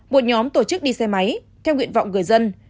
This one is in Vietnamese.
một nhóm tổ chức đi xe máy theo nguyện vọng người dân